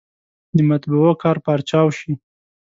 د مطبعو کار پارچاو شي.